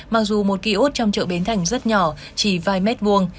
mặc dù một ký ốt trong chợ bến thành rất nhỏ chỉ vài mét vuông